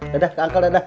dadah ke angkel dadah